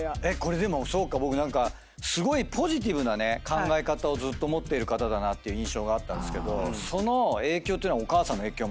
僕何かすごいポジティブな考え方をずっと持っている方だなっていう印象があったんですけどその影響っていうのは。